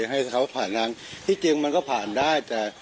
ให้เขาผ่านทางที่จริงมันก็ผ่านได้แต่